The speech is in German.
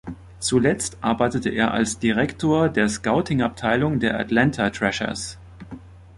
Zuletzt arbeitete er als Direktor der Scouting-Abteilung der Atlanta Thrashers.